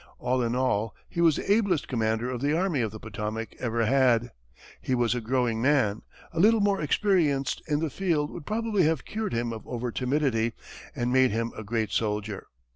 All in all, he was the ablest commander the Army of the Potomac ever had; he was a growing man; a little more experience in the field would probably have cured him of over timidity, and made him a great soldier.